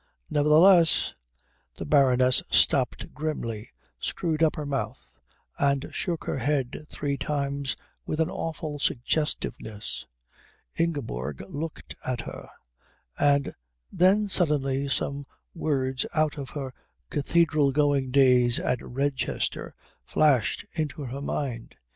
Nevertheless " The Baroness stopped grimly, screwed up her mouth, and shook her head three times with an awful suggestiveness. Ingeborg looked at her, and then suddenly some words out of her cathedral going days at Redchester flashed into her mind.